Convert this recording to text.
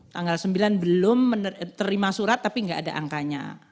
tanggal sembilan belum menerima surat tapi nggak ada angkanya